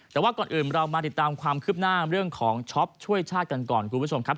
แต่ว่าก่อนอื่นเรามาติดตามความคืบหน้าเรื่องของช็อปช่วยชาติกันก่อนคุณผู้ชมครับ